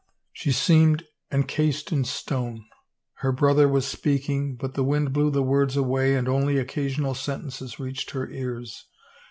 She seemed en cased in stone. Her brother 'was speaking but the wind blew the words away and only occasional sentences reached her ears.